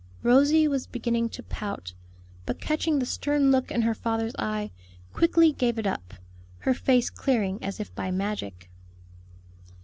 Rosie was beginning to pout, but catching the stern look in her father's eye, quickly gave it up, her face clearing as if by magic.